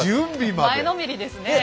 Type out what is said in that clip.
前のめりですねえ。